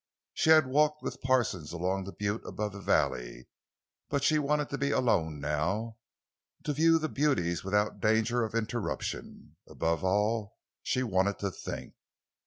She had walked with Parsons along the butte above the valley, but she wanted to be alone now, to view the beauties without danger of interruption. Above all, she wanted to think.